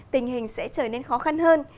tình hình sẽ trở nên khó khăn hơn